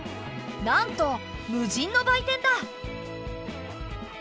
なんと無人の売店だ。